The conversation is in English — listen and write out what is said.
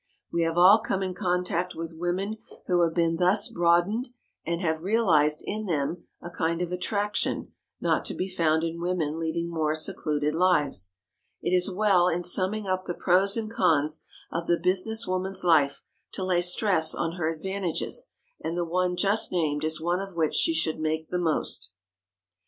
We have all come in contact with women who have been thus broadened and have realized in them a kind of attraction not to be found in women leading more secluded lives. It is well in summing up the pros and cons of the business woman's life to lay stress on her advantages, and the one just named is one of which she should make the most.